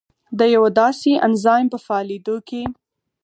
د یوه داسې انزایم په فعالېدو کې